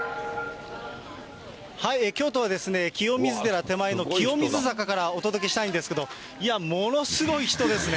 京都は清水寺手前の清水坂からお伝えしたいんですけれども、いや、ものすごい人ですね。